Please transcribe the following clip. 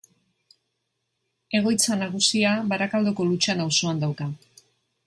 Egoitza nagusia Barakaldoko Lutxana auzoan dauka.